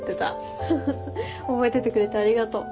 覚えててくれてありがとう。